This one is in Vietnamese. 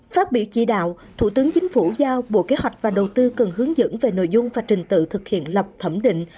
phát biểu chỉ đạo thủ tướng chính phủ giao bộ kế hoạch và đầu tư cần hướng dẫn về nội dung và trình tự thực hiện lập thẩm định